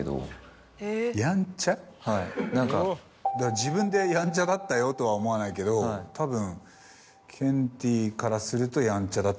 自分でやんちゃだったよとは思わないけどたぶんケンティーからすると。